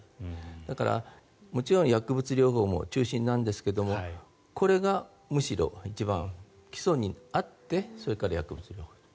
だから、もちろん薬物療法も中心ですがこれがむしろ一番基礎にあってそれから薬物療法と。